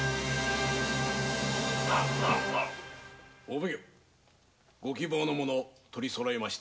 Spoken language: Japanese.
お奉行ご希望のもの取りそろえました。